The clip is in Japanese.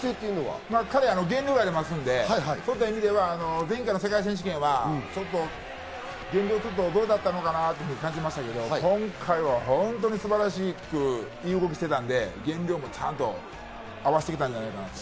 彼、減量がありますので、そういった意味では前回の世界選手権はちょっと減量、どうだったのかなと感じましたけど、今回は本当に素晴らしく、良い動きをしていたので、減量もちゃんと合わせてきたんじゃないかなと。